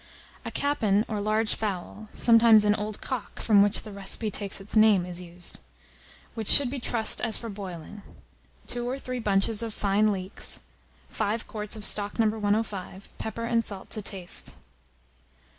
A capon or large fowl (sometimes an old cock, from which the recipe takes its name, is used), which should be trussed as for boiling; 2 or 3 bunches of fine leeks, 5 quarts of stock No. 105, pepper and salt to taste.